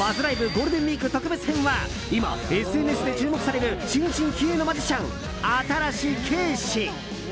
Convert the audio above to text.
ゴールデンウィーク特別編は今、ＳＮＳで注目される新進気鋭のマジシャン、新子景視。